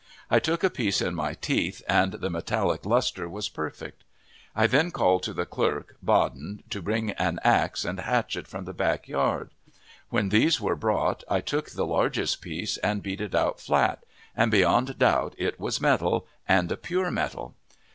I took a piece in my teeth, and the metallic lustre was perfect. I then called to the clerk, Baden, to bring an axe and hatchet from the backyard. When these were brought, I took the largest piece and beat it out flat, and beyond doubt it was metal, and a pure metal.